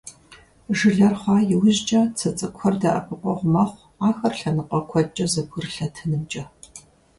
Жылэр хъуа иужькӀэ цы цӀыкӀухэр дэӀэпыкъуэгъу мэхъу ахэр лъэныкъуэ куэдкӀэ зэбгрылъэтынымкӀэ.